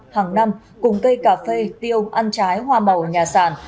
hàng năm cùng cây cà phê tiêu ăn trái hoa màu nhà sàn